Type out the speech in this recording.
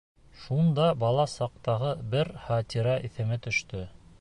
Шунда бала саҡтағы бер хәтирә иҫемә төштө.